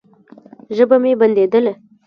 ژبه مې بنديدله.